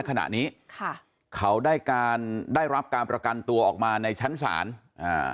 ขณะนี้ค่ะเขาได้การได้รับการประกันตัวออกมาในชั้นศาลอ่า